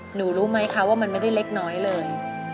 รู้ไหมคะว่ามันไม่ได้เล็กน้อยเลย